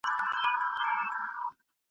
د جنګي بندیانو سره څه ډول چلند وسو؟